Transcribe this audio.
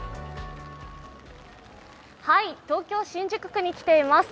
東京・新宿区に来ています